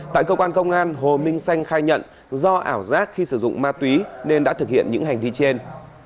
tại cơ quan công an hồ minh xanh khai nhận do ảo giác khi sử dụng ma túy nên đã thực hiện những hành vi trên